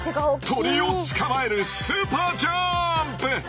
鳥を捕まえるスーパージャンプ！